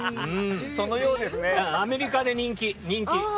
アメリカで人気！